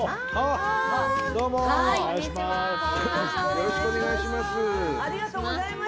よろしくお願いします！